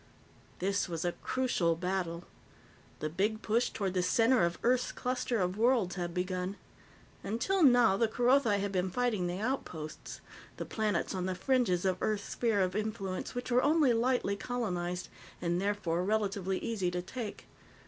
This was a crucial battle. The big push toward the center of Earth's cluster of worlds had begun. Until now, the Kerothi had been fighting the outposts, the planets on the fringes of Earth's sphere of influence which were only lightly colonized, and therefore relatively easy to take.